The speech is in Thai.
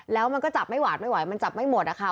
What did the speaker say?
แล้วมันก็จับไม่หวาดไม่ไหวมันจับไม่หมดอะค่ะ